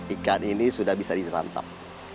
ikan ini sudah bisa disantap